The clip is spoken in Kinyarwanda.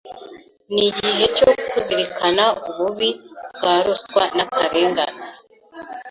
n’igihe cyo kuzirikana ububi bwa ruswa n’akarengane,